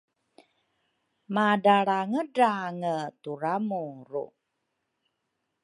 Madralrangedrange turamuru